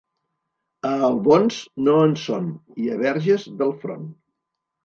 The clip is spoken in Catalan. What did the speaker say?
A Albons, no en són, i a Verges, del front.